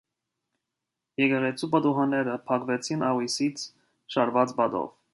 Եկեղեցու պատուհաններ փակվեցին աղյուսից շարված պատով։